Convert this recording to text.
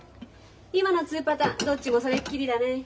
今のツーパターンどっちもそれっきりだね。